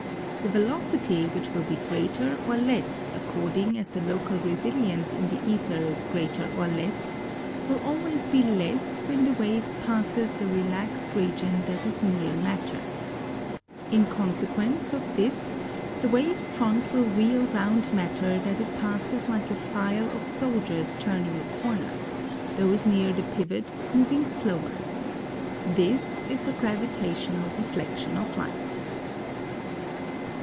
The velocity, which will be greater or A 3 8 ON GRAVITATION less according as the local resilience in the aether is greater or less, will always be less when the wave passes the relaxed region that is near matter. • In consequence of this the wave front will wheel round matter that it passes like a file of soldiers turning a corner, those near the pivot moving slower. This is' the gravitational deflection of light.